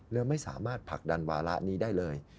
แล้วไม่สามารถผลักดันวาระนี้ได้เลย